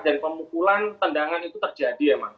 dan pemukulan tendangan itu terjadi ya